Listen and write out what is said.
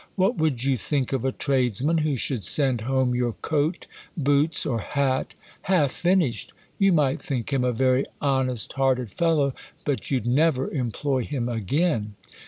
What would you think of a tradesman, who should send home your coat, boots, or hat, half iiuished? You might think him a 'very honest hearted fellow ; but you'd never employ him again.